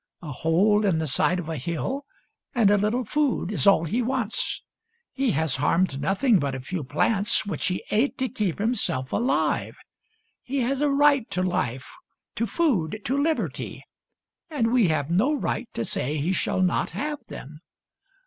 A hole in the side of a hill, and a little food, is all he wants. He has harmed nothing but a few plants, which he ate to keep himself alive. , He has a right to life, to food, to liberty; and we have no right to say he shall not have them.